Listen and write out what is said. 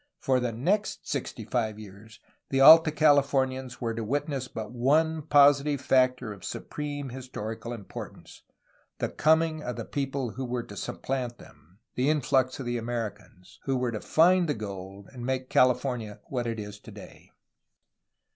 For the next sixty five years the Alta Californians were to wit ness but one positive factor of supreme historical importance, — the coming of the people who were to supplant them, the influx of the Americans, who were to find the gold and make California what it is today.